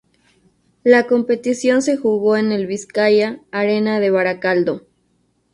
La competición se jugó en el Bizkaia Arena de Baracaldo.